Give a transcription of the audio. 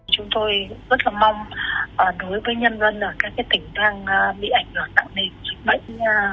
chúng tôi rất là mong đối với nhân dân ở các tỉnh đang bị ảnh hưởng tạo nên dịch bệnh